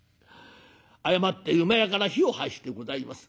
誤って厩から火を発してございます。